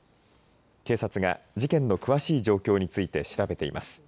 警察が事件の詳しい状況について調べています。